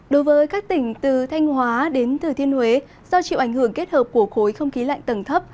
đối với các tỉnh từ thanh hóa đến thừa thiên huế do chịu ảnh hưởng kết hợp của khối không khí lạnh tầng thấp